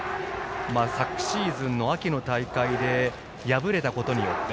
昨シーズンの秋の大会で敗れたことによって